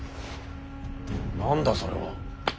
何だそれは。